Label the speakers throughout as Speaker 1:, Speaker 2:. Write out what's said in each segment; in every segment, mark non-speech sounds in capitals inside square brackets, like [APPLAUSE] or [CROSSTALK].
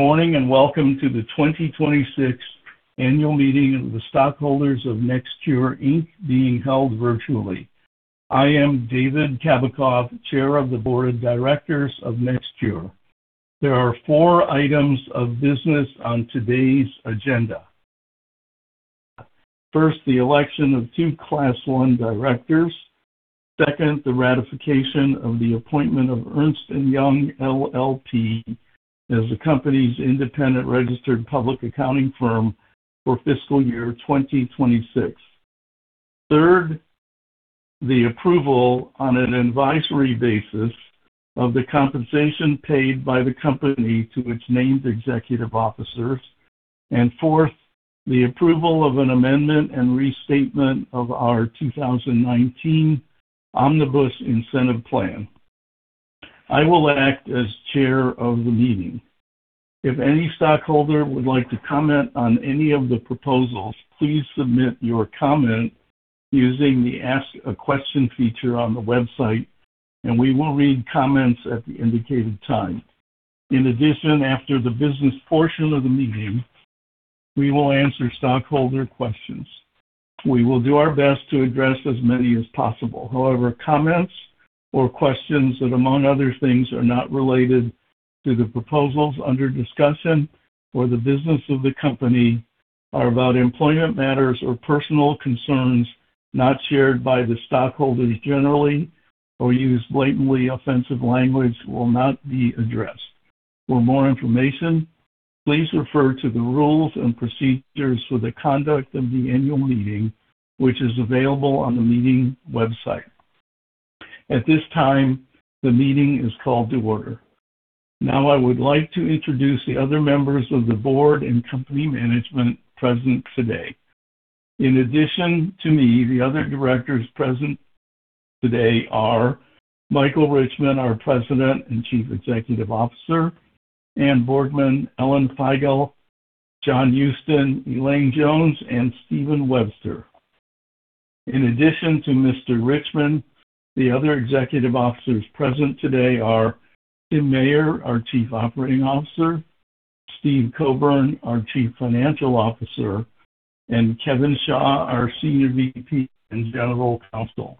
Speaker 1: Morning and welcome to the 2026 Annual Meeting of the Stockholders of NextCure, Inc., being held virtually. I am David Kabakoff, Chair of the Board of Directors of NextCure. There are four items of business on today's agenda. First, the election of two Class I directors. Second, the ratification of the appointment of Ernst & Young LLP as the company's independent registered public accounting firm for fiscal year 2026. Third, the approval on an advisory basis of the compensation paid by the company to its named executive officers. Fourth, the approval of an amendment and restatement of our 2019 Omnibus Incentive Plan. I will act as chair of the meeting. If any stockholder would like to comment on any of the proposals, please submit your comment using the Ask a Question feature on the website. We will read comments at the indicated time. In addition, after the business portion of the meeting, we will answer stockholder questions. We will do our best to address as many as possible. However, comments or questions that, among other things, are not related to the proposals under discussion or the business of the company, are about employment matters or personal concerns not shared by the stockholders generally, or use blatantly offensive language, will not be addressed. For more information, please refer to the rules and procedures for the conduct of the annual meeting, which is available on the meeting website. At this time, the meeting is called to order. Now I would like to introduce the other members of the board and company management present today. In addition to me, the other directors present today are Michael Richman, our President and Chief Executive Officer, Anne Borgman, Ellen Feigal, John Houston, Elaine Jones, and Steven Webster. In addition to Mr. Richman, the other executive officers present today are Tim Mayer, our Chief Operating Officer, Steve Cobourn, our Chief Financial Officer, and Kevin Shaw, our Senior VP and General Counsel.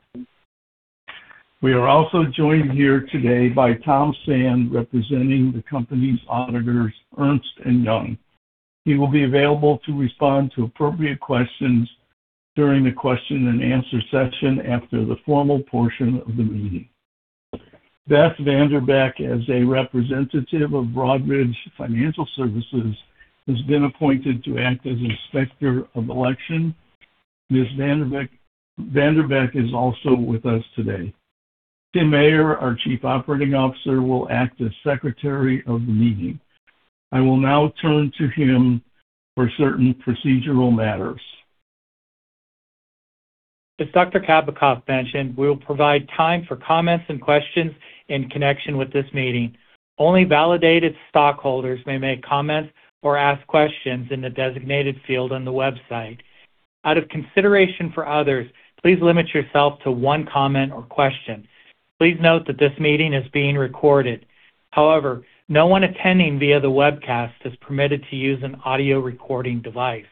Speaker 1: We are also joined here today by Tom Sand, representing the company's auditors, Ernst & Young. He will be available to respond to appropriate questions during the question and answer session after the formal portion of the meeting. Beth VanDerbeck, as a representative of Broadridge Financial Solutions, has been appointed to act as Inspector of Election. Ms. VanDerbeck is also with us today. Tim Mayer, our Chief Operating Officer, will act as Secretary of the meeting. I will now turn to him for certain procedural matters.
Speaker 2: As Dr. Kabakoff mentioned, we will provide time for comments and questions in connection with this meeting. Only validated stockholders may make comments or ask questions in the designated field on the website. Out of consideration for others, please limit yourself to one comment or question. Please note that this meeting is being recorded. However, no one attending via the webcast is permitted to use an audio recording device.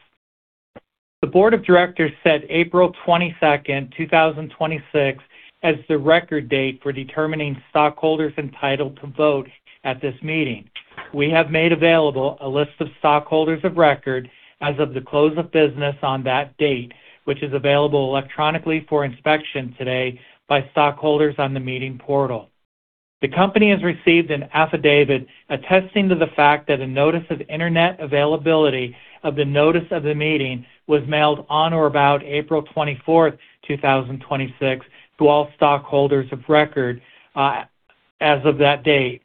Speaker 2: The Board of Directors set April 22nd, 2026, as the record date for determining stockholders entitled to vote at this meeting. We have made available a list of stockholders of record as of the close of business on that date, which is available electronically for inspection today by stockholders on the meeting portal. The company has received an affidavit attesting to the fact that a notice of internet availability of the notice of the meeting was mailed on or about April 24th, 2026, to all stockholders of record as of that date.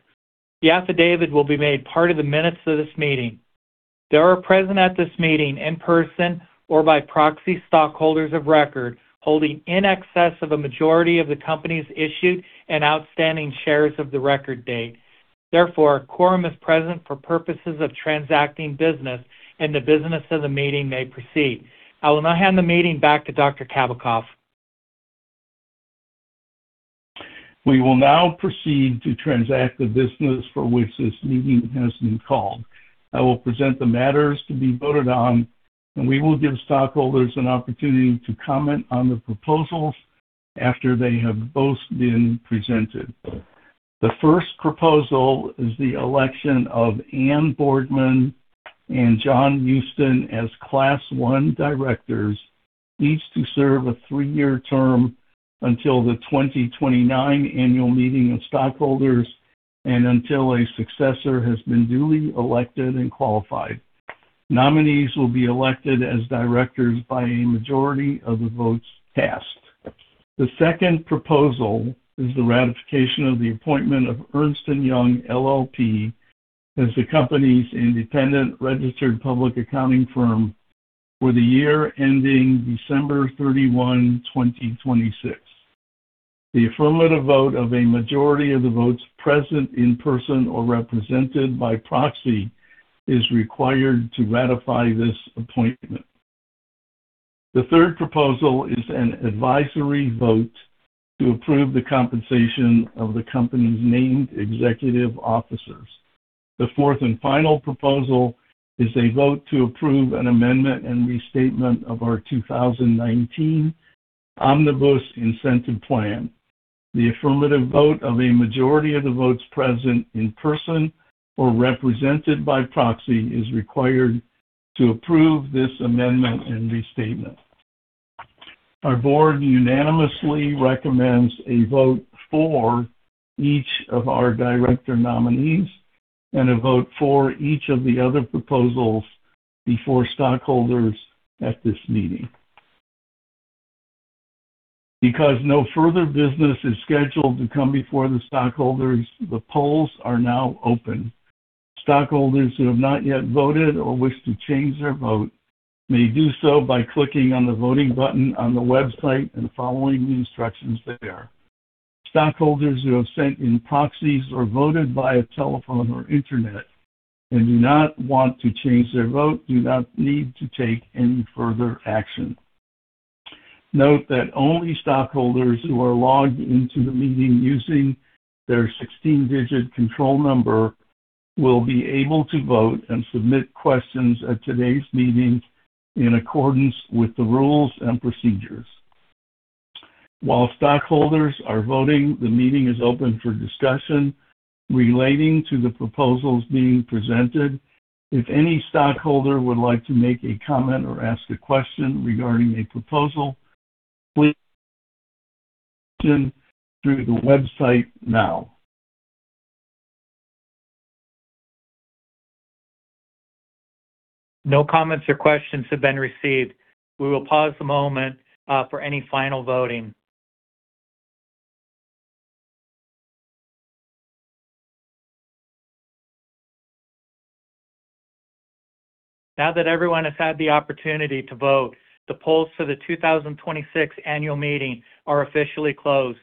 Speaker 2: The affidavit will be made part of the minutes of this meeting. There are present at this meeting in person or by proxy stockholders of record holding in excess of a majority of the company's issued and outstanding shares of the record date. Therefore, a quorum is present for purposes of transacting business and the business of the meeting may proceed. I will now hand the meeting back to Dr. Kabakoff.
Speaker 1: We will now proceed to transact the business for which this meeting has been called. I will present the matters to be voted on. We will give stockholders an opportunity to comment on the proposals after they have both been presented. The first proposal is the election of Anne Borgman and John Houston as Class I directors, each to serve a three-year term until the 2029 Annual Meeting of Stockholders and until a successor has been duly elected and qualified. Nominees will be elected as directors by a majority of the votes cast. The second proposal is the ratification of the appointment of Ernst & Young LLP as the company's independent registered public accounting firm for the year ending December 31, 2026. The affirmative vote of a majority of the votes present in person or represented by proxy is required to ratify this appointment. The third proposal is an advisory vote to approve the compensation of the company's named executive officers. The fourth and final proposal is a vote to approve an amendment and restatement of our 2019 Omnibus Incentive Plan. The affirmative vote of a majority of the votes present in person or represented by proxy is required to approve this amendment and restatement. Our board unanimously recommends a vote for each of our director nominees and a vote for each of the other proposals before stockholders at this meeting. Because no further business is scheduled to come before the stockholders, the polls are now open. Stockholders who have not yet voted or wish to change their vote may do so by clicking on the voting button on the website and following the instructions there. Stockholders who have sent in proxies or voted via telephone or internet and do not want to change their vote do not need to take any further action. Note that only stockholders who are logged into the meeting using their 16-digit control number will be able to vote and submit questions at today's meeting in accordance with the rules and procedures. While stockholders are voting, the meeting is open for discussion relating to the proposals being presented. If any stockholder would like to make a comment or ask a question regarding a proposal, please [AUDIO DISTORTION] to the website now.
Speaker 2: No comments or questions have been received. We will pause a moment for any final voting. Now that everyone has had the opportunity to vote, the polls for the 2026 annual meeting are officially closed.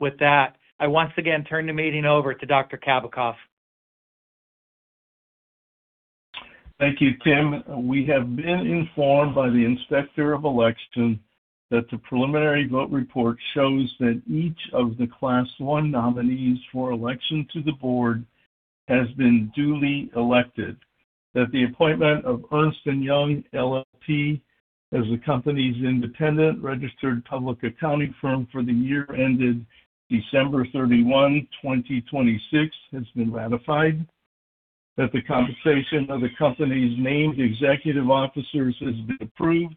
Speaker 2: With that, I once again turn the meeting over to Dr. Kabakoff.
Speaker 1: Thank you, Tim. We have been informed by the Inspector of Election that the preliminary vote report shows that each of the Class I nominees for election to the board has been duly elected, that the appointment of Ernst & Young LLP as the company's independent registered public accounting firm for the year ended December 31, 2026 has been ratified, that the compensation of the company's named executive officers has been approved,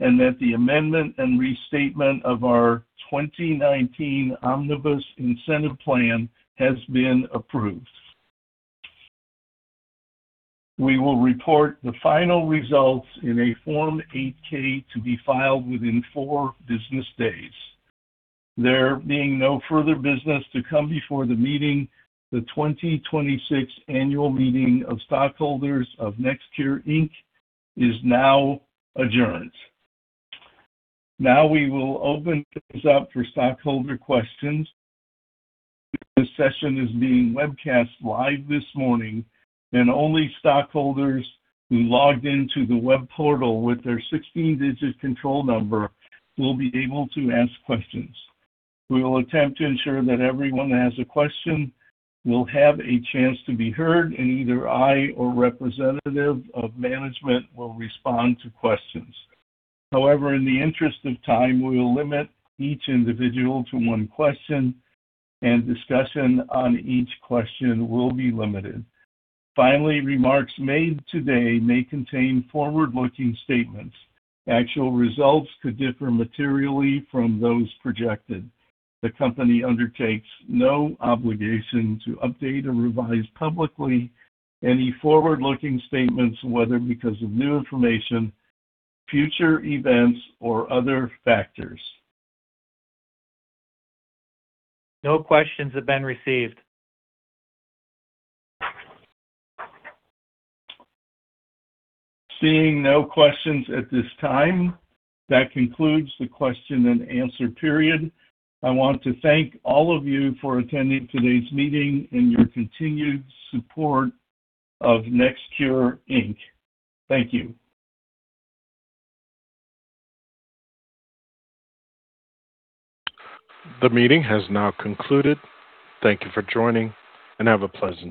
Speaker 1: and that the amendment and restatement of our 2019 Omnibus Incentive Plan has been approved. We will report the final results in a Form 8-K to be filed within four business days. There being no further business to come before the meeting, the 2026 annual meeting of stockholders of NextCure, Inc. is now adjourned. Now we will open things up for stockholder questions. This session is being webcast live this morning and only stockholders who logged into the web portal with their 16-digit control number will be able to ask questions. We will attempt to ensure that everyone that has a question will have a chance to be heard, and either I or a representative of management will respond to questions. However, in the interest of time, we will limit each individual to one question, and discussion on each question will be limited. Finally, remarks made today may contain forward-looking statements. Actual results could differ materially from those projected. The company undertakes no obligation to update or revise publicly any forward-looking statements, whether because of new information, future events, or other factors.
Speaker 2: No questions have been received.
Speaker 1: Seeing no questions at this time, that concludes the question and answer period. I want to thank all of you for attending today's meeting and your continued support of NextCure Inc. Thank you. The meeting has now concluded. Thank you for joining, and have a pleasant day.